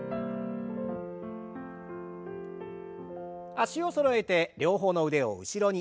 脚をそろえて両方の腕を後ろに。